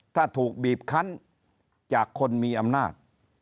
ถ้าถูกบีบคันจากคนมีอำนาจ